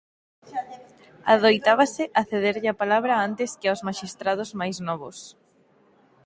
Adoitábase a cederlle a palabra antes que aos maxistrados máis novos.